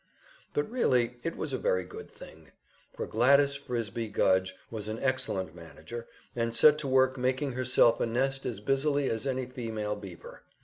But really it was a very good thing; for Gladys Frisbie Gudge was an excellent manager, and set to work making herself a nest as busily as any female beaver.